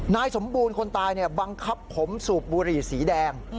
นายสมบูรณ์คนตายบังคับผมสูบบุหรี่สีแดง